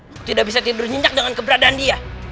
dia tidak bisa tidur nyenyak dengan keberadaan dia